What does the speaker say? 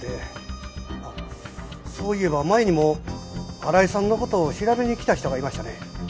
あっそういえば前にも荒井さんの事を調べに来た人がいましたね。